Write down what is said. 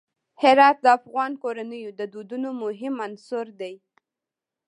هرات د افغان کورنیو د دودونو مهم عنصر دی.